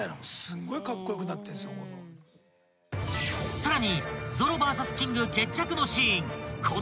［さらに］